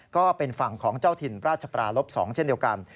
ก็เป็นฝั่งของเจ้าถิ่นราชปราลบ๒เช่นเดียวกัน